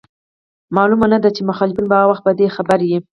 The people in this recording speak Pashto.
معلومه نه ده چي مخالفينو به هغه وخت په دې خبري